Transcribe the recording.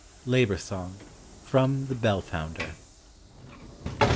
LABOR SONG. FROM "THE DELL FOUNDER."